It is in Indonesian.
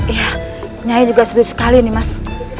iya nyai juga setuju sekali nih mas